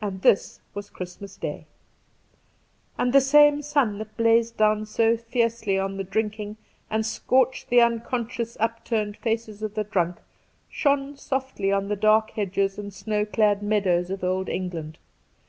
And this was Christmas Day ! And the same sun that blazed down so fiercely on the drinking, and scorched the unconscious upturned faces of the drunk, shone softly on the dark hedges and snow clad meadows of old England.